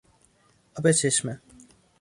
آب چشمه